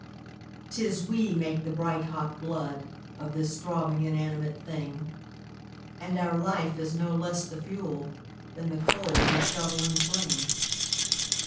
"'Tis we make the bright hot blood Of this throbbing inanimate thing; And our life is no less the fuel Than the coal we shovel and fling.